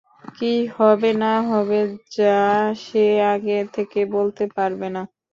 কী হবে না হবে, যা সে আগে থেকে বলতে পারবে না।